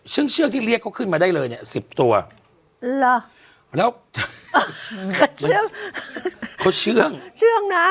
ซึ่งเชื่องที่เรียกเขาขึ้นมาได้เลยเนี่ยสิบตัวเหรอแล้วเขาเชื่องเชื่องนะ